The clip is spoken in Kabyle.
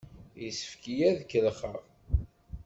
Yessefk-iyi ad k-kellexeɣ!